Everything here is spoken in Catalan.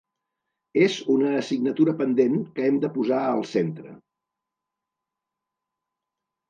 És una assignatura pendent que hem de posar al centre.